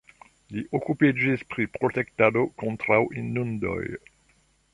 Li okupiĝis pri protektado kontraŭ inundoj.